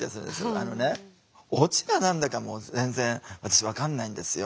あのねオチが何だかも全然私分かんないんですよ